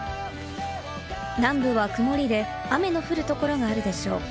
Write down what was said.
南部は曇りで雨の降るところがあるでしょう。